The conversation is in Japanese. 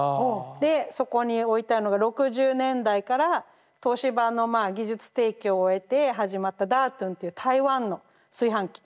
でそこに置いてあるのが６０年代から東芝の技術提供を得て始まったダートンっていう台湾の炊飯器。